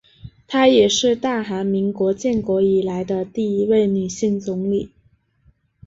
她也是大韩民国建国以来的第一位女性总理。